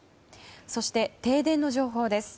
そして、停電の情報です。